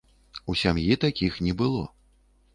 У сям'і такіх не было.